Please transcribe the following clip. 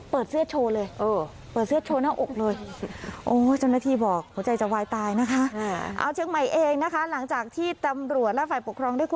เปิดเสื้อโชว์เลยเปิดเสื้อโชว์หน้าอกเลย